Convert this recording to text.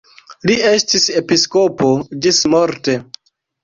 Li estis episkopo ĝismorte.